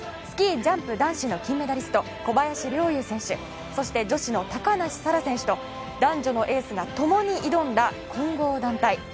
スキージャンプ男子の金メダリスト小林陵侑選手そして女子の高梨沙羅選手と男女のエースが共に挑んだ混合団体。